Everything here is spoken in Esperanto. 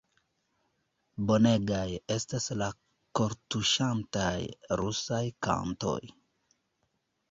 Bonegaj estas la kortuŝantaj rusaj kantoj!